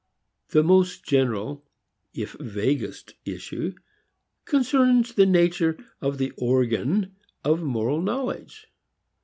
The most general, if vaguest issue, concerns the nature of the organ of moral knowledge.